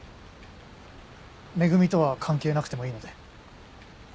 「め組」とは関係なくてもいいので。